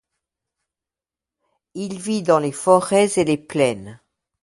Il vit dans les forêts et les plaines.